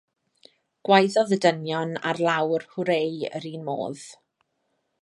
Gwaeddodd y dynion ar lawr hwrê yr un modd.